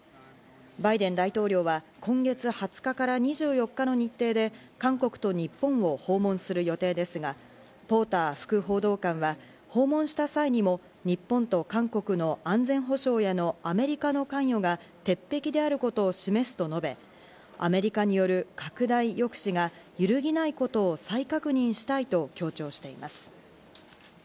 バイデン大統領は今月２０日から２４日の日程で韓国と日本を訪問する予定ですが、ポーター副報道官は訪問した際にも日本と韓国の安全保障へのアメリカの関与が鉄壁であることを示すと述べ、アメリカによる拡大抑止が揺るぎないことを再確認したいと強調しています。